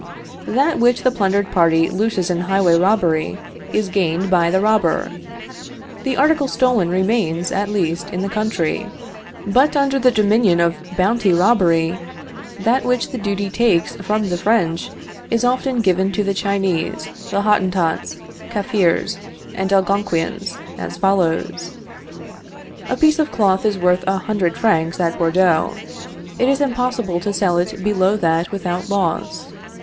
That which the plundered party loses in highway robbery is gained by the robber. The article stolen remains, at least, in the country. But under the dominion of bounty robbery, that which the duty takes from the French is often given to the Chinese, the Hottentots, Caffirs, and Algonquins, as follows: A piece of cloth is worth a hundred francs at Bordeaux. It is impossible to sell it below that without loss.